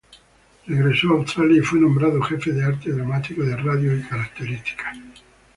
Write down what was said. Regresó a Australia y fue nombrado Jefe de Arte Dramático de Radio y características.